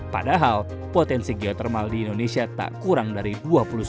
padahal potensi geotermal di indonesia tak kurang dari dua puluh satu